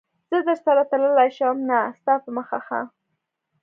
زه درسره تللای شم؟ نه، ستا په مخه ښه.